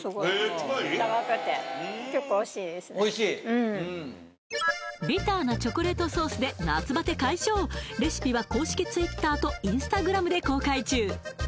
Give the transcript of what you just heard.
うんビターなチョコレートソースで夏バテ解消レシピは公式ツイッターとインスタグラムで公開中